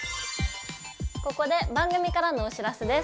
ここで番組からのお知らせです。